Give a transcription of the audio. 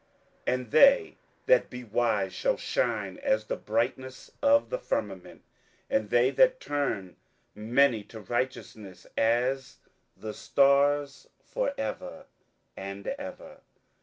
27:012:003 And they that be wise shall shine as the brightness of the firmament; and they that turn many to righteousness as the stars for ever and ever.